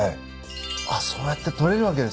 あっそうやって取れるわけですね。